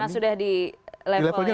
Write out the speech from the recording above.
karena sudah di levelnya